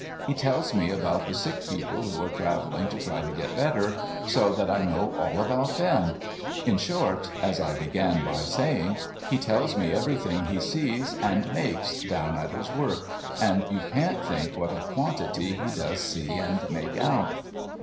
He tells me about the sick people who are travelling to try to get better — so that I know all about them ! In short, as I began by saying, he tells me 432 MUGBY JUNCTION everything he sees and makes out down at his \vork, and you can't think what a quantity he does see and make out.'